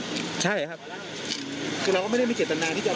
คือเราก็ไม่ได้มีเจตนาที่จะเอาพี่มาพันเขาเหรอ